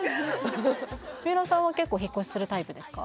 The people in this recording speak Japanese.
三浦さんは結構引越しするタイプですか？